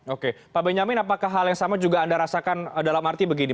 oke pak benyamin apakah hal yang sama juga anda rasakan dalam arti begini